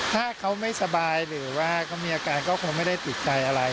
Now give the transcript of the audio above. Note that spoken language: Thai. ถ้าเขาไม่สบายหรือว่าเขามีอาการก็คงไม่ได้ติดใจอะไร